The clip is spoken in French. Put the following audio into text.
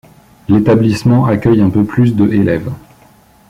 L'établissement accueille un peu plus de élèves.